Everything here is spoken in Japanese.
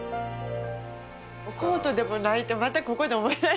コートでも泣いてまたここでも泣いて。